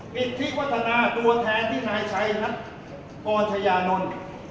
ปิดที่วัฒนาตัวแทนที่นายชัยนัทกรชญานนท์